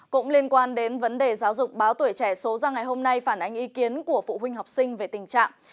cũng liên quan đến vấn đề giáo dục báo tuổi trẻ số ra ngày hôm nay phản ánh ý kiến của phụ huynh học sinh về tình trạng